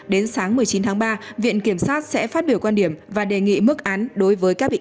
đến sáng một mươi chín tháng ba viện kiểm sát sẽ phát biểu quan điểm và đề nghị mức án đối với các bị cáo